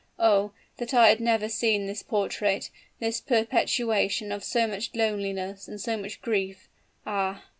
Oh! that I had never seen this portrait this perpetuation of so much loneliness and so much grief! Ah!